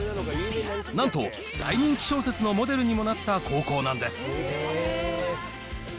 なんと大人気小説のモデルにもなった高校なんです。